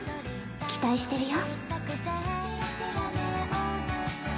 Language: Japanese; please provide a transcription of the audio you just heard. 期待してるよ